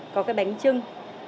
có cái bánh trưng